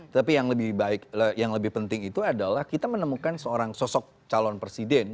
tapi yang lebih penting itu adalah kita menemukan seorang sosok calon presiden